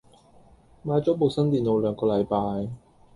買咗部新電腦兩個禮拜